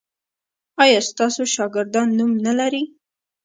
ایا ستاسو شاګردان نوم نلري؟